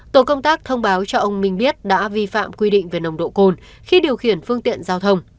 tổ công tác thông báo cho ông minh biết đã vi phạm quy định về nồng độ cồn khi điều khiển phương tiện giao thông